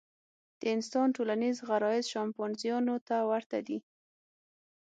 د انسان ټولنیز غرایز شامپانزیانو ته ورته دي.